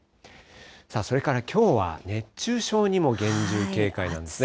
さあ、それからきょうは、熱中症にも厳重警戒なんですね。